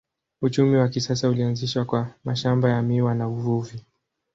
Uchumi wa kisasa ulianzishwa kwa mashamba ya miwa na uvuvi.